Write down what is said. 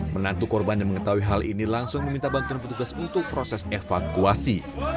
menantu korban yang mengetahui hal ini langsung meminta bantuan petugas untuk proses evakuasi